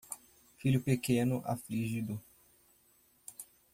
Filho pequeno afligido